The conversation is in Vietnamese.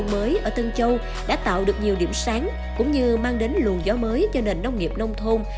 nông nghiệp nông thôn mới ở tân châu đã tạo được nhiều điểm sáng cũng như mang đến luồn gió mới cho nền nông nghiệp nông thôn